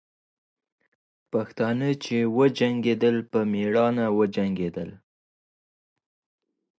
پښتانه چې وجنګېدل، په میړانه وجنګېدل.